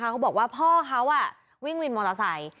เขาบอกว่าพ่อเขาวิ่งวินมอเตอร์ไซค์